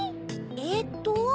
えっと？